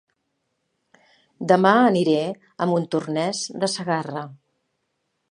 Dema aniré a Montornès de Segarra